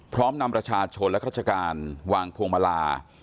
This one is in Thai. พร้อมนำประชาชนและราชการวางพวงมาลา